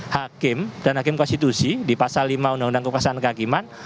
hakim dan hakim konstitusi di pasal lima undang undang kekuasaan kehakiman